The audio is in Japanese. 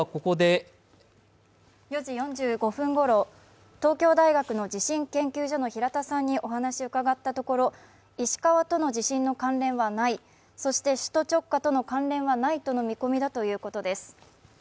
４時４５分ごろ、東京大学の地震研究所の平田さんにお話伺ったところ石川との地震の関連はない、そして首都直下との関連はないとの見込みだということです。